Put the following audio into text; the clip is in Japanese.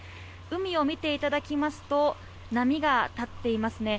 海を見ていただきますと波が立ってますね